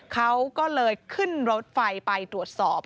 เขาก็เลยขึ้นรถไฟไปตรวจสอบ